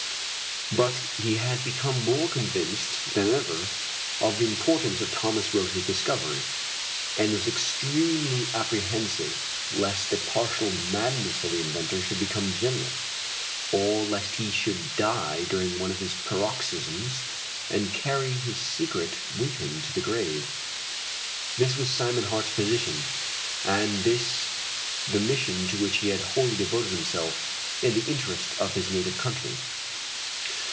But he had become more convinced than ever of the importance of Thomas Roch's discovery, and was extremely apprehensive lest the partial madness of the inventor should become general, or lest he should die during one of his paroxysms and carry his secret with him to the grave. This was Simon Hart's position, and this the mission to which he had wholly devoted himself in the interest of his native country.